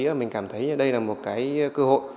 và mình cảm thấy đây là một cơ hội